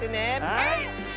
はい！